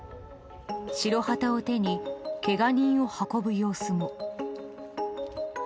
白旗を手に、けが人を運ぶ様子も。